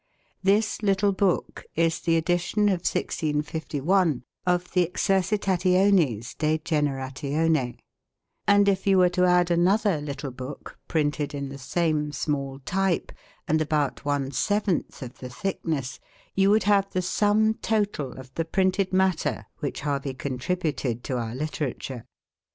This little book is the edition of 1651 of the 'Exercitationes de Generatione'; and if you were to add another little book, printed in the same small type, and about one seventh of the thickness, you would have the sum total of the printed matter which Harvey contributed to our literature.